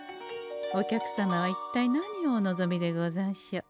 お客様はいったい何をお望みでござんしょう？